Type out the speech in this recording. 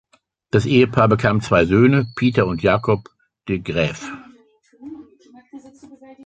Das Ehepaar bekam zwei Söhne, Pieter und Jacob de Graeff.